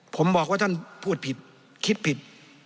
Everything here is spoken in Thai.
ผมบอกว่าท่านพูดผิดคิดผิด